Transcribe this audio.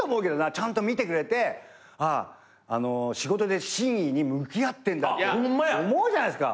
ちゃんと見てくれて仕事で真摯に向き合ってんだって思うじゃないっすか。